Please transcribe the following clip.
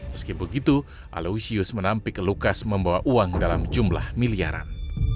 meski begitu aloysius menampik lukas membawa uang dalam jumlah miliaran